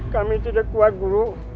kami tidak kuat guru